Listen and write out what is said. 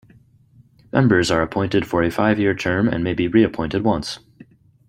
Members are appointed for a five-year term and may be reappointed once.